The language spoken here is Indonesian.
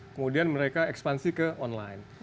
kemudian mereka ekspansi ke online